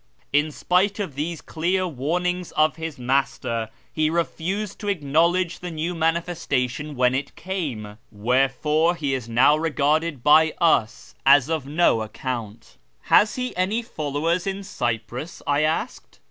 In spite of these clear warnings of his Master, he refused to acknowledge the new manifestation when it came ; wherefore he is now regarded by us as of no account." " Has he any followers in Cyprus ?" I asked.